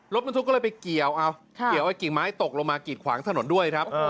รถบรรทุกก็เลยไปเกี่ยวเอาเกี่ยวไอ้กิ่งไม้ตกลงมากีดขวางถนนด้วยครับ